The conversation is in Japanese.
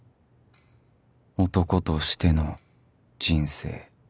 男としての人生